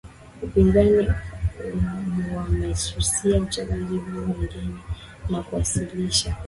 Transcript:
upinzani wamesusia uchaguzi huo bungeni na kuwasilisha